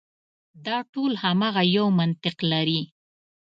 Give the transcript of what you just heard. دا ټول هماغه یو منطق لري.